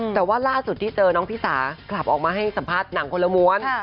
แต่ว่าล่าสุดที่เจอน้องพี่สากลับออกมาให้สัมภาษณ์หนังคนละม้วน